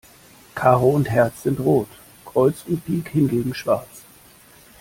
Karo und Herz sind rot, Kreuz und Pik hingegen schwarz.